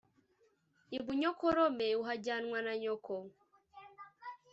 Ibunyokorome uhajyanwa na Nyoko